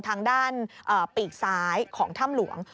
ทางด้านปีกซ้ายของถ้ำหลวง